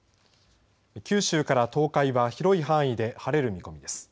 九州から東海は広い範囲で晴れる見込みです。